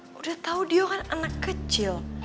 sudah tahu dia kan anak kecil